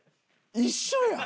一緒やん！